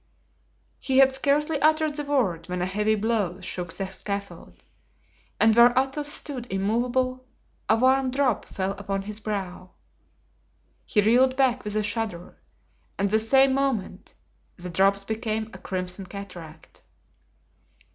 He had scarcely uttered the word when a heavy blow shook the scaffold and where Athos stood immovable a warm drop fell upon his brow. He reeled back with a shudder and the same moment the drops became a crimson cataract.